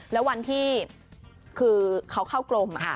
แล้ววันที่คือเขาเข้ากรม